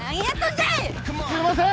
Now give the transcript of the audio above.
すいません！